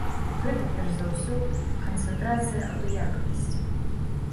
Гэта перш за ўсё канцэнтрацыя абыякавасці.